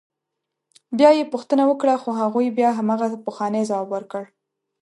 بیا یې پوښتنه وکړه خو هغوی بیا همغه پخوانی ځواب ورکړ.